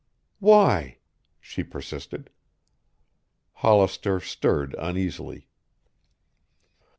"Why?" she persisted. Hollister stirred uneasily.